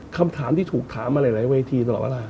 คำถามที่ถูกถามมาหลายเวทีตลอดเวลา